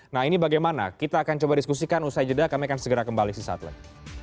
nah ini bagaimana kita akan coba diskusikan usai jeda kami akan segera kembali sesaat lagi